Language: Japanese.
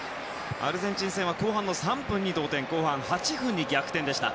アルゼンチン戦は後半３分に同点後半８分に逆転でした。